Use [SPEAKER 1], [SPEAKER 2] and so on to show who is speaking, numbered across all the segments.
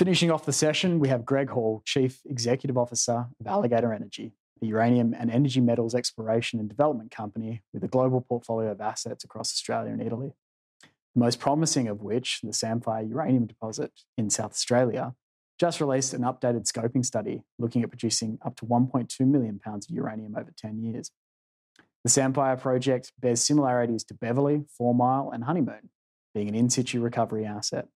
[SPEAKER 1] Finishing off the session, we have Greg Hall, Chief Executive Officer of Alligator Energy, the uranium and energy metals exploration and development company with a global portfolio of assets across Australia and Italy. The most promising of which, the Samphire uranium deposit in South Australia, just released an updated scoping study looking at producing up to 1.2 million pounds of uranium over 10 years. The Samphire Project bears similarities to Beverley, Four Mile, and Honeymoon, being an in-situ recovery asset.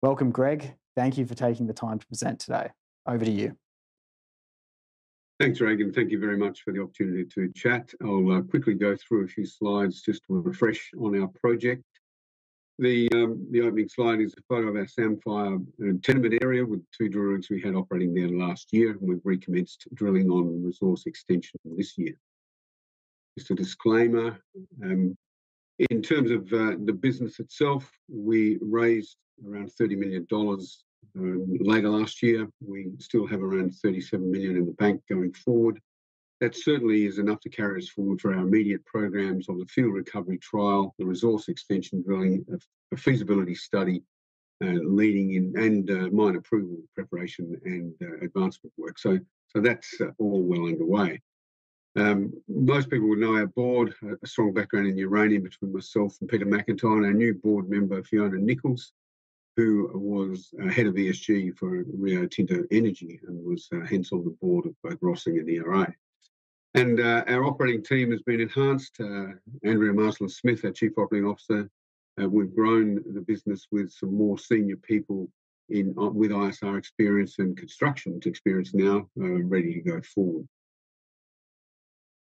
[SPEAKER 1] Welcome, Greg. Thank you for taking the time to present today. Over to you.
[SPEAKER 2] Thanks, Regan, thank you very much for the opportunity to chat. I'll quickly go through a few slides just to refresh on our project. The opening slide is a photo of our Samphire tenement area, with two drill rigs we had operating there last year, and we've recommenced drilling on resource extension this year. Just a disclaimer, in terms of the business itself, we raised around 30 million dollars later last year. We still have around 37 million in the bank going forward. That certainly is enough to carry us forward for our immediate programs on the field recovery trial, the resource extension drilling, a feasibility study leading in, and mine approval preparation and advancement work. So that's all well underway. Most people would know our board has a strong background in uranium, between myself and Peter McIntyre, and our new board member, Fiona Nicholls, who was head of ESG for Rio Tinto Energy, and was hence on the board of both Rossing and ERA. Our operating team has been enhanced. Andrea Marsland-Smith, our Chief Operating Officer. We've grown the business with some more senior people in with ISR experience and construction experience now, and ready to go forward.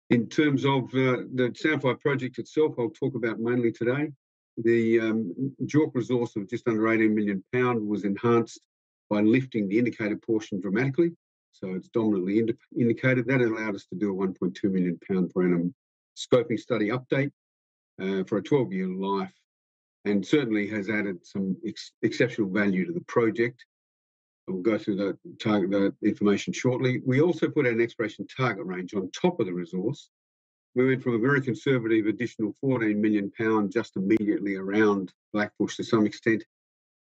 [SPEAKER 2] In terms of the Samphire project itself, I'll talk about mainly today. The JORC resource of just under 18 million pounds was enhanced by lifting the indicated portion dramatically, so it's dominantly indicated. That allowed us to do a 1.2 million pounds per annum scoping study update, for a 12-year life, and certainly has added some exceptional value to the project. We'll go through the target information shortly. We also put an exploration target range on top of the resource. We went from a very conservative additional 14 million pounds, just immediately around Blackbush to some extent,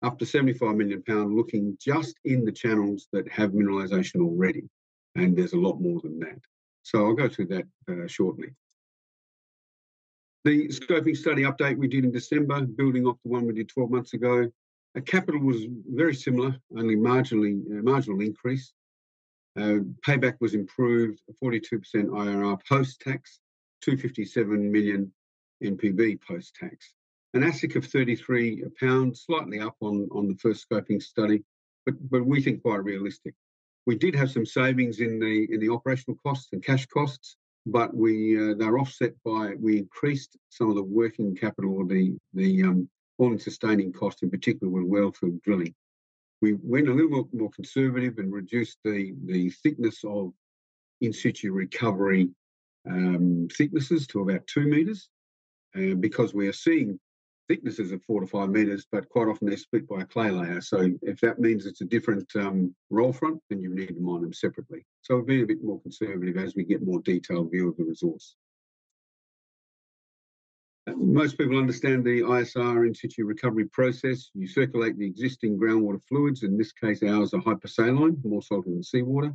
[SPEAKER 2] up to 75 million pounds, looking just in the channels that have mineralization already, and there's a lot more than that. So I'll go through that shortly. The scoping study update we did in December, building off the one we did 12 months ago. Our capital was very similar, only marginally, a marginal increase. Payback was improved, a 42% IRR post-tax, 257 million NPV post-tax. An AISC of AUD 33/lb, slightly up on the first scoping study, but we think quite realistic. We did have some savings in the operational costs and cash costs, but they were offset by we increased some of the working capital or the all-in sustaining cost, in particular with well field drilling. We went a little more conservative and reduced the thickness of in-situ recovery thicknesses to about 2 m because we are seeing thicknesses of 4 m-5 m, but quite often they're split by a clay layer. So if that means it's a different roll front, then you need to mine them separately. So we've been a bit more conservative as we get more detailed view of the resource. Most people understand the ISR in-situ recovery process. You circulate the existing groundwater fluids, in this case, ours are hypersaline, more salt than seawater.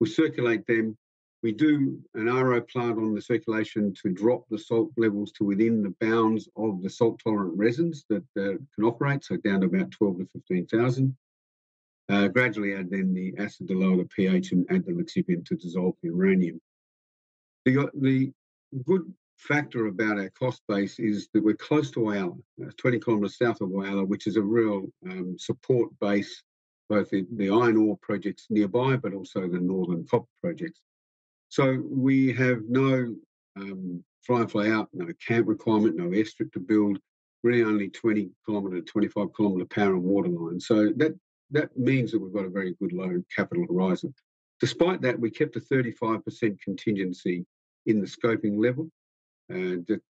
[SPEAKER 2] We circulate them. We do an RO plant on the circulation to drop the salt levels to within the bounds of the salt-tolerant resins that can operate, so down to about 12,000 to 15,000. Gradually add in the acid to lower the pH and add the recipient to dissolve the uranium. The good factor about our cost base is that we're close to Whyalla. 20 km south of Whyalla, which is a real support base, both in the iron ore projects nearby, but also the northern copper projects. So we have no fly-in fly-out, no camp requirement, no airstrip to build. Really only 20 km, 25 km power and water line. So that means that we've got a very good low capital horizon. Despite that, we kept a 35% contingency in the scoping level,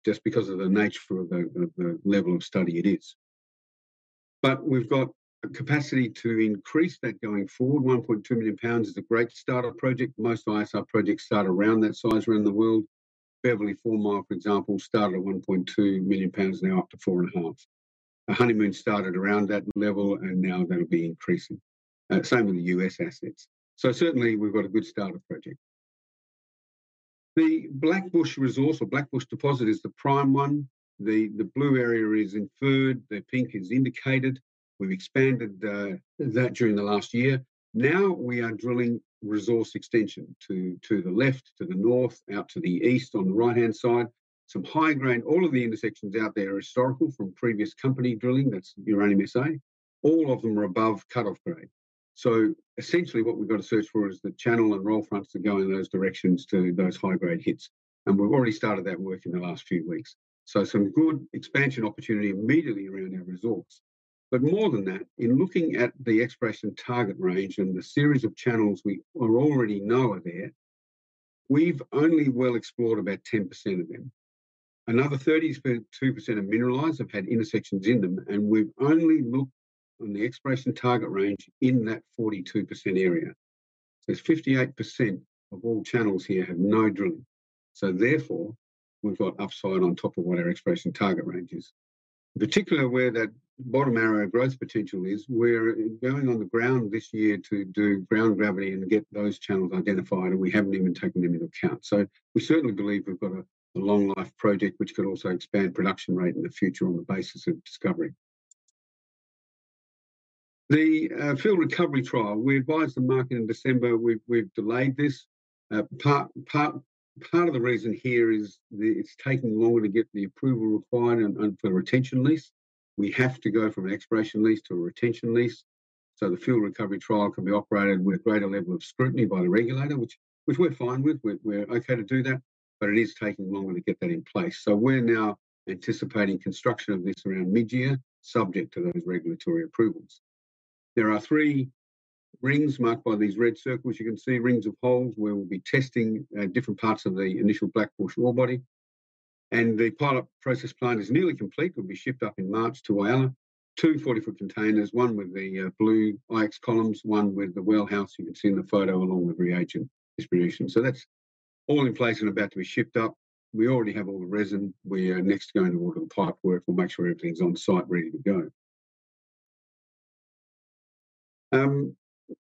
[SPEAKER 2] just because of the nature of the level of study it is. But we've got a capacity to increase that going forward. 1.2 million pounds is a great starter project. Most ISR projects start around that size around the world. Beverley, Four Mile, for example, started at 1.2 million pounds, now up to 4.5. Honeymoon started around that level and now going to be increasing. Same with the U.S. assets. So certainly we've got a good starter project. The Blackbush resource or Blackbush deposit is the prime one. The blue area is inferred, the pink is indicated. We've expanded that during the last year. Now we are drilling resource extension to, to the left, to the north, out to the east, on the right-hand side. Some high grade. All of the intersections out there are historical from previous company drilling, that's Uranium SA. All of them are above cut-off grade. So essentially what we've got to search for is the channel and roll fronts that go in those directions to those high-grade hits. And we've already started that work in the last few weeks. So some good expansion opportunity immediately around our resource. But more than that, in looking at the exploration target range and the series of channels we, we already know are there, we've only well explored about 10% of them. Another 32% are mineralized, have had intersections in them, and we've only looked on the exploration target range in that 42% area.... So it's 58% of all channels here have no drilling. So therefore, we've got upside on top of what our exploration target range is. Particularly where that bottom arrow growth potential is, we're going on the ground this year to do ground gravity and get those channels identified, and we haven't even taken them into account. So we certainly believe we've got a long life project, which could also expand production rate in the future on the basis of discovery. The field recovery trial, we advised the market in December, we've delayed this. Part of the reason here is it's taking longer to get the approval required and for the retention lease. We have to go from an exploration lease to a retention lease, so the field recovery trial can be operated with a greater level of scrutiny by the regulator, which we're fine with. We're okay to do that, but it is taking longer to get that in place. So we're now anticipating construction of this around mid-year, subject to those regulatory approvals. There are three rings marked by these red circles. You can see rings of holes where we'll be testing different parts of the initial Blackbush ore body, and the pilot process plant is nearly complete. It will be shipped up in March to Whyalla. two 40 ft containers, one with the blue IX columns, one with the wellhouse. You can see in the photo along with reagent distribution. So that's all in place and about to be shipped up. We already have all the resin. We are next going to order the pipe work. We'll make sure everything's on site, ready to go.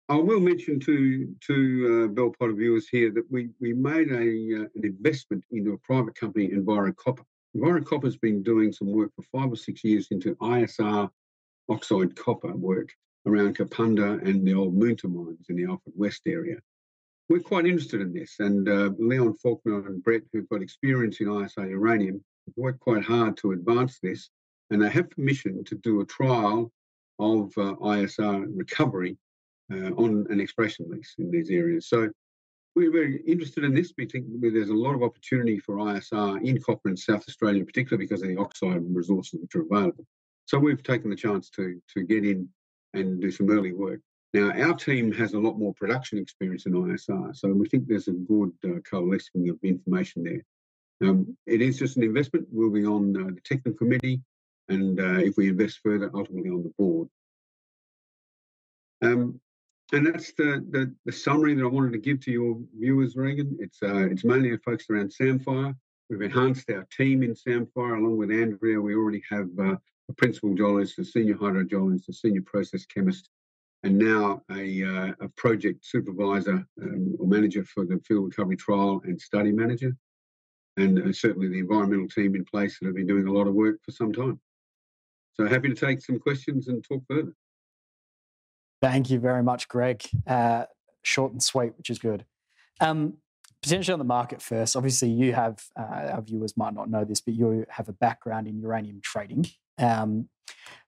[SPEAKER 2] I will mention to Bell Potter viewers here that we made an investment into a private company, EnviroCopper. EnviroCopper's been doing some work for five or six years into ISR oxide copper work around Kapunda and the old Moonta mines in the Alford West area. We're quite interested in this, and Leon Faulkner and Brett, who've got experience in ISR uranium, worked quite hard to advance this. They have permission to do a trial of ISR recovery on an exploration lease in these areas. So we're very interested in this. We think there's a lot of opportunity for ISR in copper in South Australia, particularly because of the oxide resources which are available. So we've taken the chance to get in and do some early work. Now, our team has a lot more production experience in ISR, so we think there's a good coalescing of information there. It is just an investment. We'll be on the technical committee, and if we invest further, ultimately on the board. And that's the summary that I wanted to give to your viewers, Regan. It's mainly focused around Samphire. We've enhanced our team in Samphire. Along with Andrea, we already have a principal geologist, a senior hydrogeologist, a senior process chemist, and now a project supervisor or manager for the field recovery trial and study manager, and certainly the environmental team in place that have been doing a lot of work for some time. So happy to take some questions and talk further.
[SPEAKER 1] Thank you very much, Greg. Short and sweet, which is good. Potentially on the market first, obviously, you have, our viewers might not know this, but you have a background in uranium trading.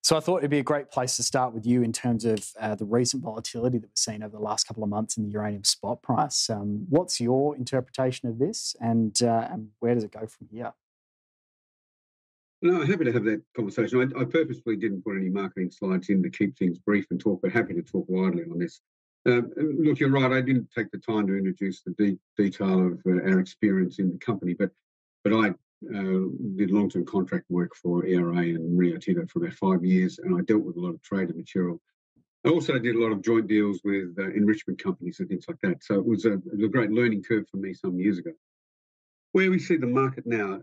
[SPEAKER 1] So I thought it'd be a great place to start with you in terms of, the recent volatility that we've seen over the last couple of months in the uranium spot price. What's your interpretation of this, and, and where does it go from here?
[SPEAKER 2] No, happy to have that conversation. I purposefully didn't put any marketing slides in to keep things brief and talk, but happy to talk widely on this. Look, you're right. I didn't take the time to introduce the detail of our experience in the company. But I did long-term contract work for ERA and Rio Tinto for about five years, and I dealt with a lot of trade and material. I also did a lot of joint deals with enrichment companies and things like that. So it was a great learning curve for me some years ago. Where we see the market now,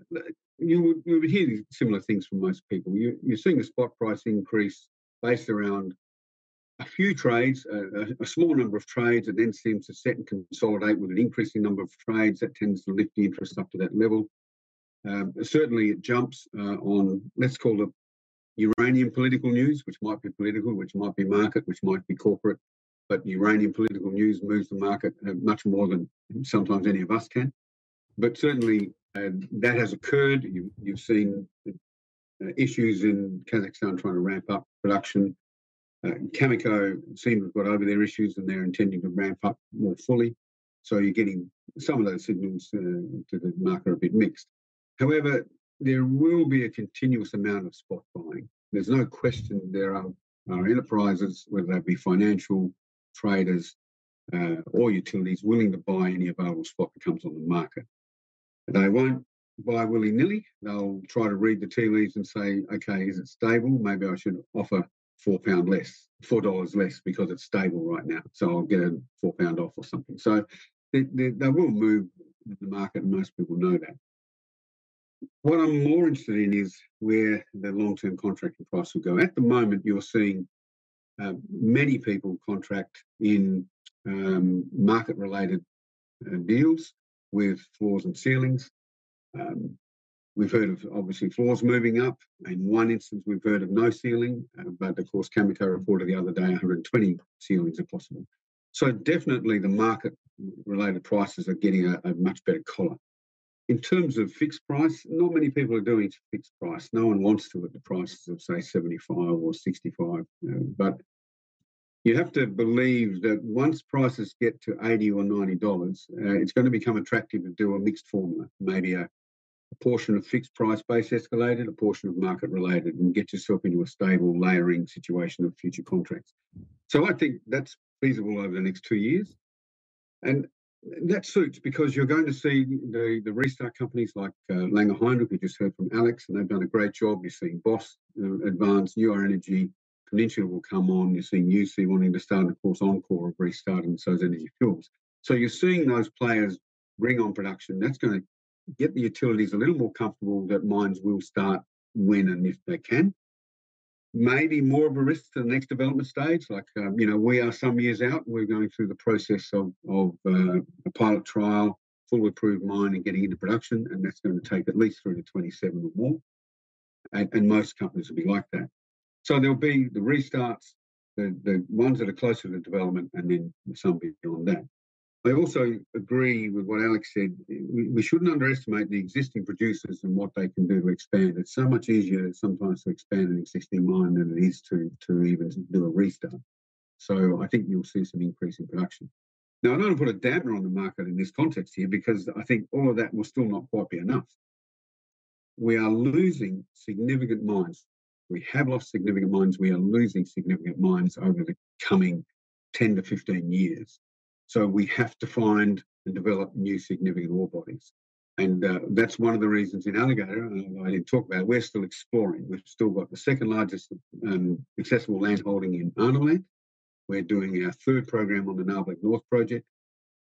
[SPEAKER 2] you'll be hearing similar things from most people. You're seeing the spot price increase based around a few trades, a small number of trades, that then seem to set and consolidate with an increasing number of trades that tends to lift the interest up to that level. Certainly, it jumps on, let's call it uranium political news, which might be political, which might be market, which might be corporate, but uranium political news moves the market much more than sometimes any of us can. But certainly, that has occurred. You've seen the issues in Kazakhstan trying to ramp up production. Cameco seem to have got over their issues, and they're intending to ramp up more fully. So you're getting some of those signals to the market are a bit mixed. However, there will be a continuous amount of spot buying. There's no question there are enterprises, whether they be financial traders, or utilities, willing to buy any available spot that comes on the market. They won't buy willy-nilly. They'll try to read the tea leaves and say, "Okay, is it stable? Maybe I should offer 4 lbs less, 4 dollars less because it's stable right now, so I'll get a 4 lbs off or something." So they will move the market, and most people know that. What I'm more interested in is where the long-term contracting price will go. At the moment, you're seeing many people contract in market-related deals with floors and ceilings. We've heard of, obviously, floors moving up. In one instance, we've heard of no ceiling, but of course, Cameco reported the other day, 120 ceilings are possible. So definitely the market-related prices are getting a much better color. In terms of fixed price, not many people are doing fixed price. No one wants to at the prices of, say, 75 or 65. But you have to believe that once prices get to 80 or 90 dollars, it's going to become attractive to do a mixed formula. Maybe a portion of fixed price base escalated, a portion of market-related, and get yourself into a stable layering situation of future contracts. So I think that's feasible over the next two years... and that suits because you're going to see the restart companies like Langer Heinrich. We just heard from Alex, and they've done a great job. You're seeing Boss, Advance, Ur-Energy, Peninsula will come on. You're seeing UEC wanting to start, and of course, enCore of restarting Southern Energy Fields. So you're seeing those players bring on production, that's gonna get the utilities a little more comfortable that mines will start when and if they can. Maybe more of a risk to the next development stage, like, you know, we are some years out. We're going through the process of a pilot trial, full approved mine, and getting into production, and that's going to take at least through to 2027 or more, and most companies will be like that. So there'll be the restarts, the ones that are closer to development and then some beyond that. I also agree with what Alex said, we shouldn't underestimate the existing producers and what they can do to expand. It's so much easier sometimes to expand an existing mine than it is to even do a restart. So I think you'll see some increase in production. Now, I'm going to put a damper on the market in this context here, because I think all of that will still not quite be enough. We are losing significant mines. We have lost significant mines. We are losing significant mines over the coming 10-15 years, so we have to find and develop new significant ore bodies. And, that's one of the reasons in Alligator, and I didn't talk about, we're still exploring. We've still got the second largest, accessible landholding in Arnhem Land. We're doing our third program on the Nabarlek North Project.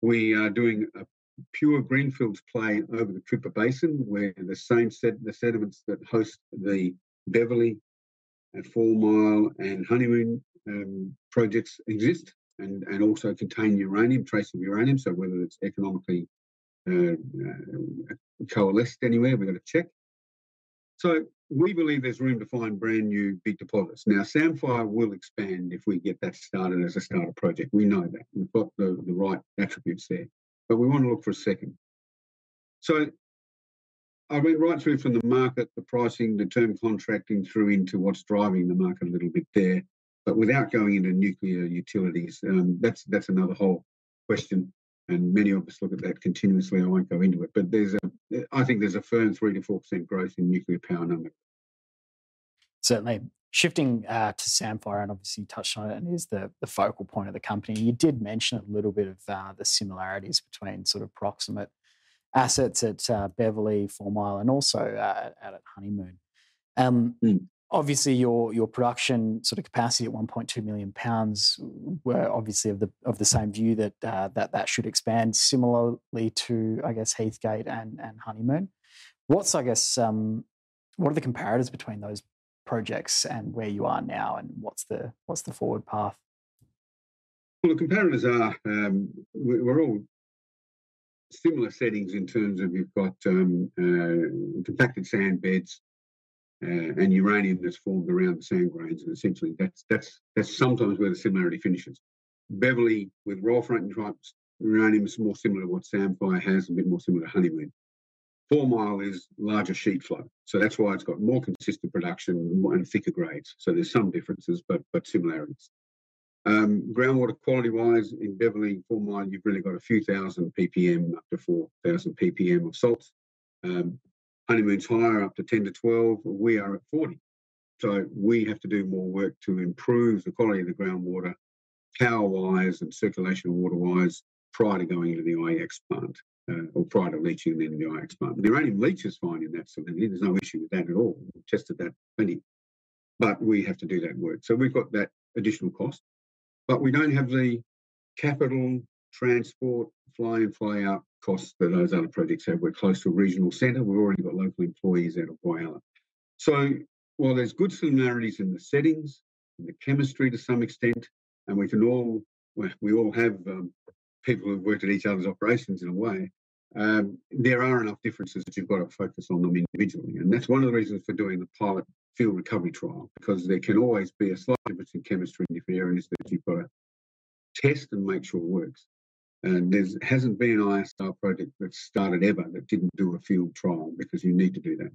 [SPEAKER 2] We are doing a pure greenfields play over the Tipperary Basin, where the same sediments that host the Beverley and Four Mile and Honeymoon projects exist and, and also contain uranium, traces of uranium. So whether it's economically, coalesced anywhere, we've got to check. So we believe there's room to find brand-new big deposits. Now, Samphire will expand if we get that started as a starter project. We know that. We've got the right attributes there, but we want to look for a second. So I read right through from the market, the pricing, the term contracting through into what's driving the market a little bit there, but without going into nuclear utilities, that's another whole question. And many of us look at that continuously. I won't go into it, but there's I think there's a firm 3%-4% growth in nuclear power number.
[SPEAKER 1] Certainly. Shifting to Samphire, and obviously you touched on it, and it is the focal point of the company. You did mention a little bit of the similarities between sort of proximate assets at Beverley, Four Mile, and also at out at Honeymoon. Obviously, your production sort of capacity at 1.2 million pounds were obviously of the same view that that should expand similarly to, I guess, Heathgate and Honeymoon. What's I guess what are the comparators between those projects and where you are now, and what's the forward path?
[SPEAKER 2] Well, the comparators are, we're all similar settings in terms of you've got compacted sand beds, and uranium that's formed around the sand grains, and essentially that's sometimes where the similarity finishes. Beverley, with roll front types, uranium is more similar to what Samphire has, a bit more similar to Honeymoon. Four Mile is larger sheet flow, so that's why it's got more consistent production and thicker grades. So there's some differences, but similarities. Groundwater quality-wise, in Beverley and Four Mile, you've really got a few thousand PPM, up to 4,000 PPM of salt. Honeymoon's higher, up to 10-12, we are at 40. So we have to do more work to improve the quality of the groundwater, power-wise and circulation water-wise, prior to going into the IX plant, or prior to leaching in the IX plant. The uranium leach is fine in that salinity. There's no issue with that at all. We've tested that plenty, but we have to do that work. So we've got that additional cost, but we don't have the capital transport, fly-in-fly-out costs that those other projects have. We're close to a regional center. We've already got local employees out of Whyalla. So while there's good similarities in the settings and the chemistry to some extent, and we can all, we all have people who've worked at each other's operations in a way, there are enough differences that you've got to focus on them individually. And that's one of the reasons for doing the pilot field recovery trial, because there can always be a slight difference in chemistry in different areas that you've got to test and make sure it works. There hasn't been an ISL project that started ever that didn't do a field trial, because you need to do that.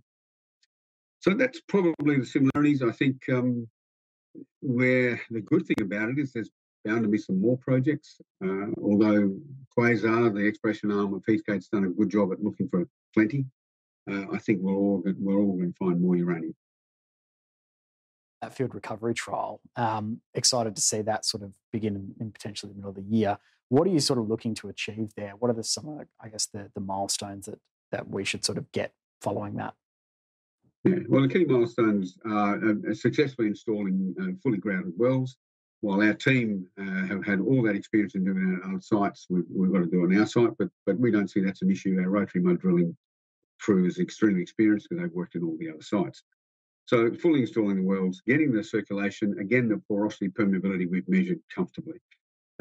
[SPEAKER 2] So that's probably the similarities. I think, where the good thing about it is there's bound to be some more projects. Although Quasar, the exploration arm of Heathgate, has done a good job at looking for plenty, I think we're all, we're all going to find more uranium.
[SPEAKER 1] That field recovery trial, excited to see that sort of begin in potentially the middle of the year. What are you sort of looking to achieve there? What are some of the, I guess, the milestones that we should sort of get following that?
[SPEAKER 2] Yeah. Well, the key milestones are successfully installing fully grounded wells. While our team have had all that experience in doing it on other sites, we've got to do on our site. But we don't see that's an issue. Our rotary mud drilling crew is extremely experienced because they've worked in all the other sites. So fully installing the wells, getting the circulation, again, the porosity, permeability we've measured comfortably.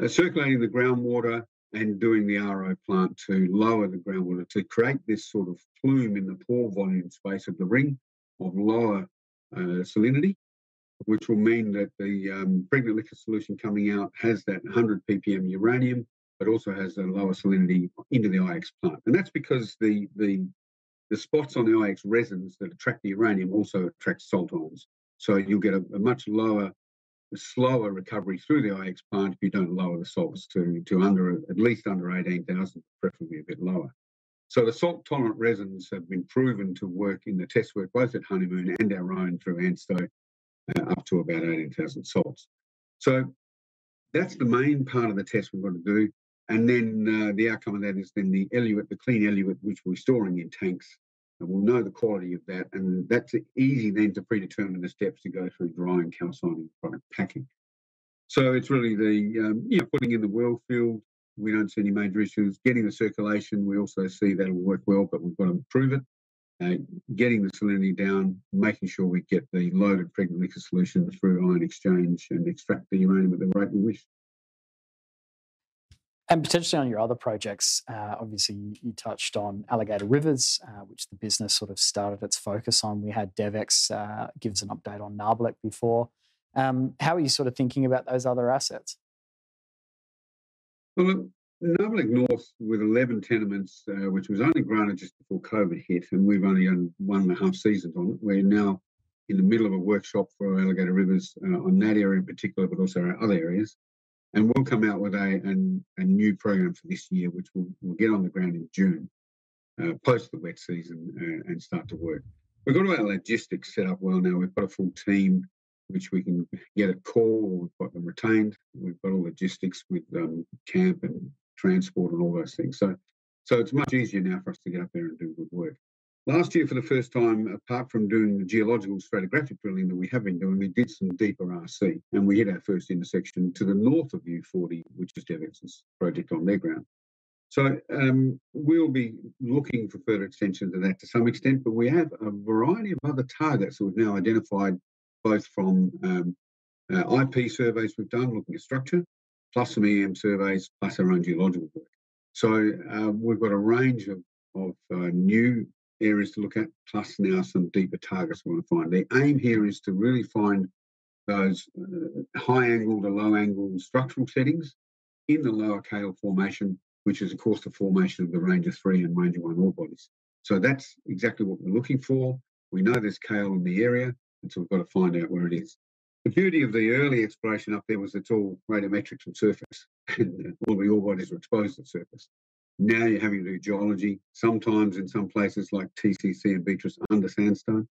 [SPEAKER 2] Circulating the groundwater and doing the RO plant to lower the groundwater, to create this sort of plume in the pore volume space of the ring of lower salinity, which will mean that the pregnant liquid solution coming out has that 100 PPM uranium, but also has a lower salinity into the IX plant. And that's because the spots on the IX resins that attract the uranium also attract salt ions. So you'll get a much lower, slower recovery through the IX plant if you don't lower the salts to under, at least under 18,000, preferably a bit lower. So the salt-tolerant resins have been proven to work in the test work, both at Honeymoon and our own through ANSTO up to about 18,000 salts. So that's the main part of the test we've got to do, and then the outcome of that is then the eluate, the clean eluate, which we're storing in tanks, and we'll know the quality of that. And that's easy then to predetermine the steps to go through drying, calcining, product packing. So it's really the you know, putting in the well field, we don't see any major issues. Getting the circulation, we also see that'll work well, but we've got to prove it. Getting the salinity down, making sure we get the loaded pregnant liquor solution through ion exchange and extract the uranium at the rate we wish.
[SPEAKER 1] Potentially on your other projects, obviously, you touched on Alligator Rivers, which the business sort of started its focus on. We had DevEx give us an update on Nabarlek before. How are you sort of thinking about those other assets?
[SPEAKER 2] Well, look, Nabarlek North with 11 tenements, which was only granted just before COVID hit, and we've only done one and a half seasons on it. We're now in the middle of a workshop for Alligator Rivers, on that area in particular, but also our other areas. And we'll come out with a new program for this year, which we'll get on the ground in June, post the wet season, and start to work. We've got all our logistics set up well now. We've got a full team, which we can get a call. We've got them retained. We've got all logistics with camp and transport and all those things. So it's much easier now for us to get up there and do good work. Last year, for the first time, apart from doing the geological stratigraphic drilling that we have been doing, we did some deeper RC, and we hit our first intersection to the north of U40, which is DevEx's project on their ground. So, we'll be looking for further extension to that to some extent, but we have a variety of other targets that we've now identified, both from IP surveys we've done looking at structure, plus some EM surveys, plus our own geological work. So, we've got a range of new areas to look at, plus now some deeper targets we want to find. The aim here is to really find those high angle to low angle structural settings in the lower Cahill Formation, which is, of course, the formation of the Ranger 3 and Ranger 1 ore bodies. So that's exactly what we're looking for. We know there's Cahill Formation in the area, and so we've got to find out where it is. The beauty of the early exploration up there was it's all radiometrics and surface. All the ore bodies were exposed to surface. Now you're having to do geology, sometimes in some places like TCC and Beatrice under sandstone,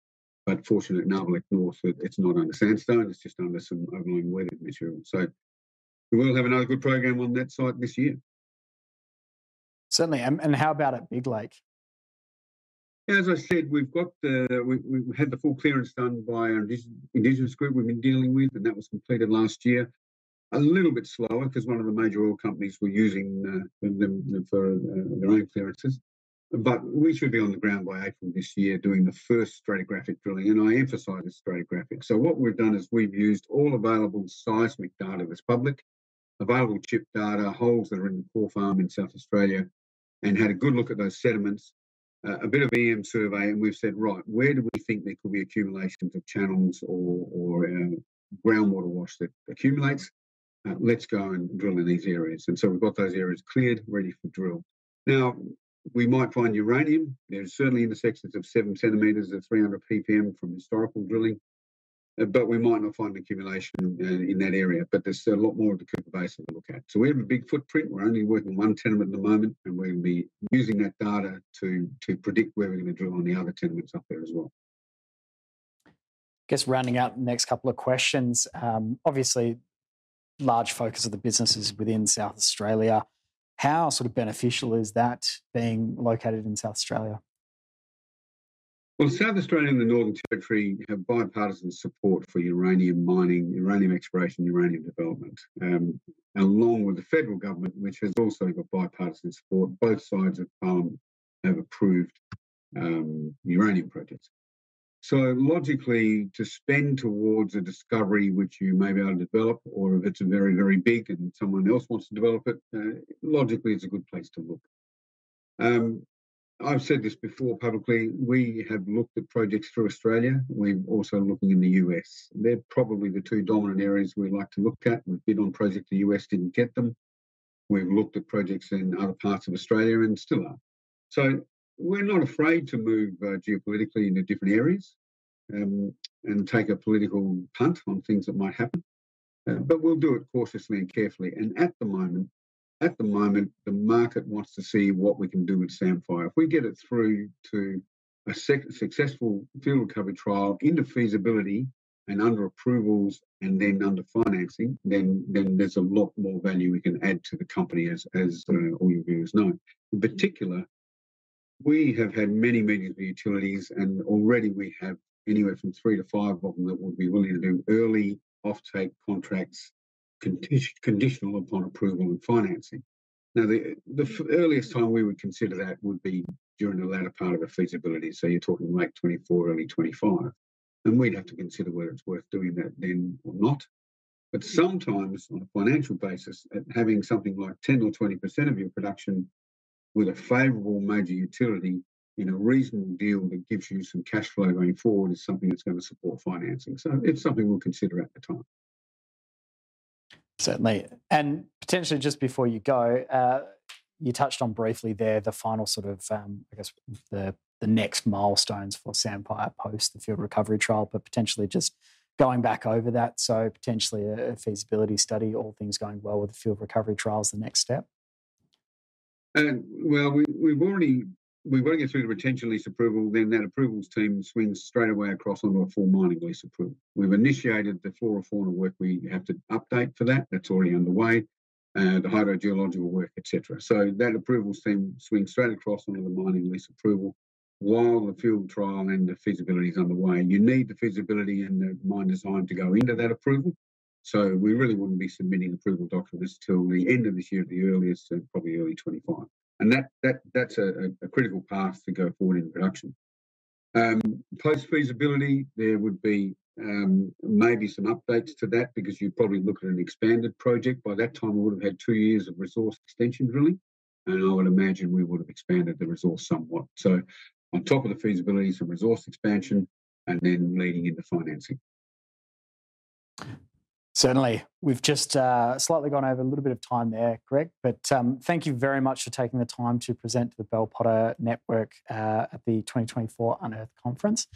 [SPEAKER 2] but fortunately at Nabarlek North, it's not under sandstone, it's just under some overlying weathered material. So we will have another good program on that site this year.
[SPEAKER 1] Certainly. And, how about at Big Lake?
[SPEAKER 2] As I said, we've got the we had the full clearance done by an Indigenous group we've been dealing with, and that was completed last year. A little bit slower because one of the major oil companies were using them for their own clearances. But we should be on the ground by April this year, doing the first stratigraphic drilling, and I emphasize it's stratigraphic. So what we've done is we've used all available seismic data that's public, available chip data, holes that are in the core farm in South Australia, and had a good look at those sediments. A bit of EM survey and we've said, "Right, where do we think there could be accumulations of channels or groundwater wash that accumulates? Let's go and drill in these areas." And so we've got those areas cleared, ready for drill. Now, we might find uranium. There's certainly intersections of 7 cm at 300 PPM from historical drilling, but we might not find accumulation in that area. But there's a lot more of the Cooper Basin to look at. So we have a big footprint. We're only working one tenement at the moment, and we'll be using that data to predict where we're going to drill on the other tenements up there as well.
[SPEAKER 1] I guess rounding out the next couple of questions, obviously, large focus of the business is within South Australia. How sort of beneficial is that being located in South Australia?
[SPEAKER 2] Well, South Australia and the Northern Territory have bipartisan support for uranium mining, uranium exploration, uranium development. Along with the federal government, which has also got bipartisan support, both sides of Parliament have approved uranium projects. So logically, to spend towards a discovery which you may be able to develop or if it's very, very big and someone else wants to develop it, logically, it's a good place to look. I've said this before publicly, we have looked at projects through Australia. We're also looking in the U.S. They're probably the two dominant areas we like to look at. We've bid on project in the U.S., didn't get them. We've looked at projects in other parts of Australia and still are. So we're not afraid to move, geopolitically into different areas, and take a political punt on things that might happen. But we'll do it cautiously and carefully. And at the moment, at the moment, the market wants to see what we can do with Samphire. If we get it through to a successful field recovery trial, into feasibility and under approvals and then under financing, then, then there's a lot more value we can add to the company as, as, all your viewers know. In particular, we have had many, many utilities, and already we have anywhere from three to five of them that would be willing to do early offtake contracts, conditional upon approval and financing. Now, the earliest time we would consider that would be during the latter part of the feasibility. So you're talking late 2024, early 2025, and we'd have to consider whether it's worth doing that then or not. But sometimes, on a financial basis, having something like 10% or 20% of your production with a favorable major utility in a reasonable deal that gives you some cash flow going forward, is something that's going to support financing. So it's something we'll consider at the time.
[SPEAKER 1] Certainly. And potentially just before you go, you touched on briefly there, the final sort of, I guess, the, the next milestones for Samphire post the field recovery trial, but potentially just going back over that, so potentially a, a feasibility study, all things going well with the field recovery trial is the next step?
[SPEAKER 2] Well, we've already... We've got to get through the potential lease approval, then that approvals team swings straight away across onto a full mining lease approval. We've initiated the flora and fauna work we have to update for that. That's already underway, the hydrogeological work, et cetera. So that approvals team swing straight across onto the mining lease approval, while the field trial and the feasibility is underway. You need the feasibility and the mine design to go into that approval, so we really wouldn't be submitting approval documents till the end of this year at the earliest, so probably early 2025. And that's a critical path to go forward in production. Post feasibility, there would be, maybe some updates to that because you'd probably look at an expanded project. By that time, we would have had two years of resource extension drilling, and I would imagine we would have expanded the resource somewhat. So on top of the feasibility, some resource expansion, and then leading into financing.
[SPEAKER 1] Certainly. We've just slightly gone over a little bit of time there, Greg, but thank you very much for taking the time to present to the Bell Potter network at the 2024 Unearthed Conference.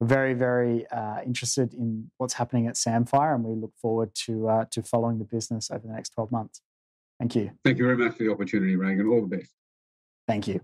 [SPEAKER 1] We're very, very interested in what's happening at Samphire, and we look forward to following the business over the next 12 months. Thank you.
[SPEAKER 2] Thank you very much for the opportunity, Regan. All the best.
[SPEAKER 1] Thank you.